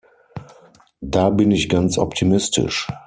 Da bin ich ganz optimistisch.